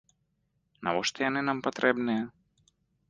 Навошта яны нам патрэбныя?